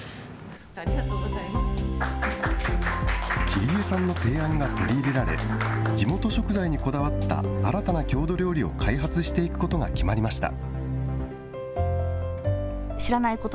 切江さんの提案が取り入れられ、地元食材にこだわった新たな郷土料理を開発していくことが決まりました。